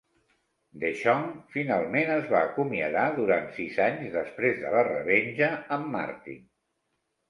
DeShong finalment es va acomiadar durant sis anys després de la revenja amb Martin.